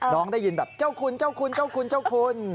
ได้ยินแบบเจ้าคุณเจ้าคุณเจ้าคุณเจ้าคุณ